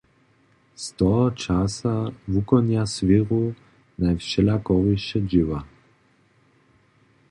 Z toho časa wukonja swěru najwšelakoriše dźěła.